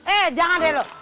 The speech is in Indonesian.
eh jangan deh lo